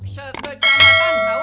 sebelahnya kan tau